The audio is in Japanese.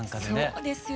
そうですよ。